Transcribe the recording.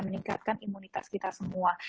meningkatkan imunitas kita semua